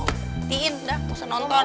ngertiin udah gak usah nonton